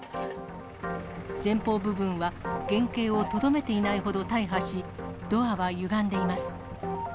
前方部分は原形をとどめていないほど大破し、ドアはゆがんでいます。